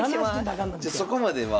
じゃそこまでは。